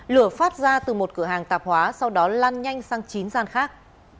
lửa phát ra từ một cửa hàng tạp hóa sau đó lan nhanh sang chín gian khác